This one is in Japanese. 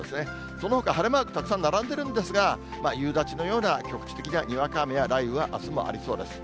そのほか晴れマークたくさん並んでいるんですが、夕立のような局地的なにわか雨や雷雨はあすもありそうです。